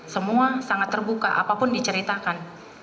semua sangat terbuka apapun diceritakan